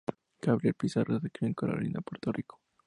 Gabriel Pizarro se crió en Carolina, Puerto Rico.